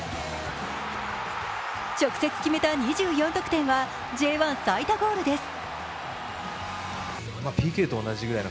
直接決めた２４得点はＪ１最多ゴールです。